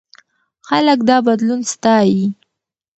خلک دا بدلون ستایي.